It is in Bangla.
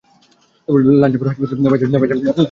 লাঞ্চের পর, হাসপাতালের পাশ দিয়ে হেঁটে গেলাম।